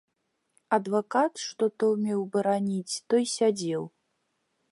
Адвакат, што то меў бараніць, той сядзеў.